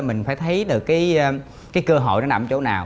mình phải thấy được cái cơ hội nó nằm chỗ nào